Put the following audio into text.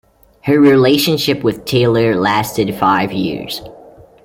Her relationship with Taylor lasted five years.